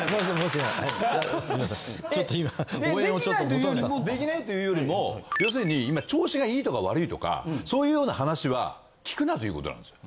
出来ないというよりも要するに今調子がいいとか悪いとかそういうような話は聞くなということなんです。